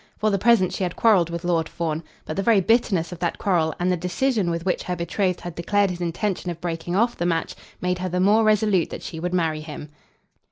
For the present she had quarrelled with Lord Fawn; but the very bitterness of that quarrel, and the decision with which her betrothed had declared his intention of breaking off the match, made her the more resolute that she would marry him.